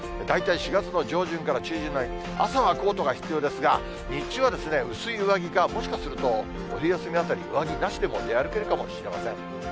大体４月の上旬から中旬ぐらい、朝はコートが必要ですが、日中は薄い上着か、もしかすると、お昼休みぐらい上着なしでも出歩けるかもしれません。